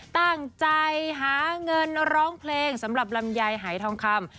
ตั้งใจหาเงินร้องเพลงสำหรับลำไยหายทองคำ